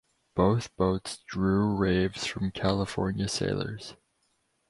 Both boats drew raves from California sailors.